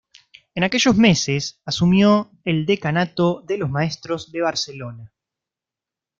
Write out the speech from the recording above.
En aquellos meses asumió el Decanato de los Maestros de Barcelona.